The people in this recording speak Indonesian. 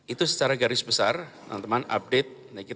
itu secara garis besar teman teman update